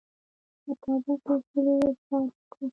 مطابق د اصولو اجرات وکړه.